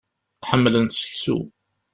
Ḥemmlent seksu.